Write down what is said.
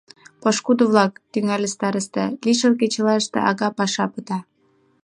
— Пошкудо-влак, — тӱҥале староста, — лишыл кечылаште ага паша пыта.